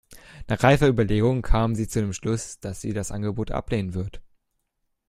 Nach reifer Überlegung kam sie zu dem Schluss, dass sie das Angebot ablehnen wird.